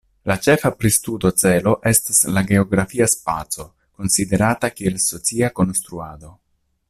La ĉefa pristudo celo estas la geografia spaco, konsiderata kiel socia konstruado.